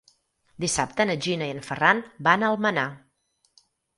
Dissabte na Gina i en Ferran van a Almenar.